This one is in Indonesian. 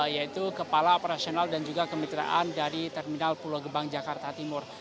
yaitu kepala operasional dan juga kemitraan dari terminal pulau gebang jakarta timur